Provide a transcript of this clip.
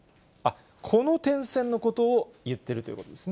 この点線のことをいっているということですね。